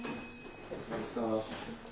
お疲れさまでした。